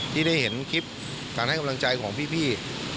ที่ได้เห็นคลิปการให้กำลังใจของพี่